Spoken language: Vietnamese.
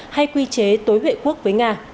hay quy chế tối huệ quốc với nga